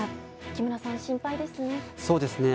木村さん、心配ですね。